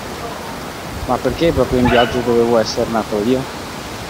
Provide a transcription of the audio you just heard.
Ma perché proprio in viaggio dovevo esser nato io?